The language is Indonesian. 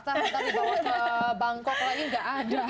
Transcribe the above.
ntar dibawa ke bangkok lagi gak ada